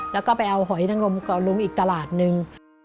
แล้วก็ไปเอาหอยนังรมกับลุงอีกตลาดนึง